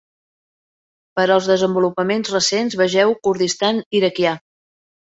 Per als desenvolupaments recents, vegeu "Kurdistan iraquià".